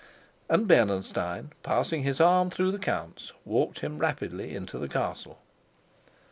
And Bernenstein, passing his arm through the count's, walked him rapidly into the castle.